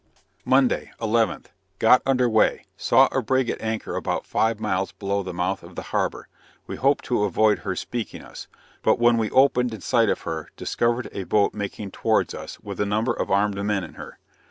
Monday, 11th Got under way saw a brig at anchor about five miles below the mouth of the harbor; we hoped to avoid her speaking us; but when we opened in sight of her, discovered a boat making towards us, with a number of armed men in her.